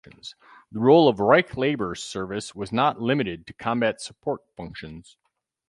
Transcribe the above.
The role of the Reich Labor Service was not limited to combat support functions.